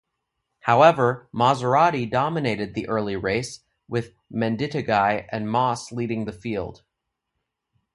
However, Maserati dominated the early race with Menditeguy and Moss leading the field.